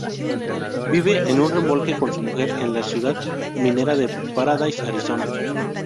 Vive en un remolque con su mujer en la ciudad minera de Paradise, Arizona.